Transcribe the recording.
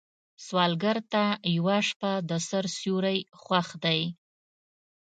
سوالګر ته یوه شپه د سر سیوری خوښ دی